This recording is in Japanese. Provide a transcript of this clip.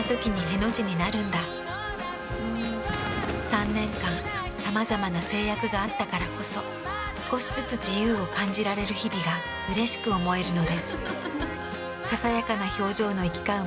３年間さまざまな制約があったからこそ少しずつ自由を感じられる日々がうれしく思えるのです。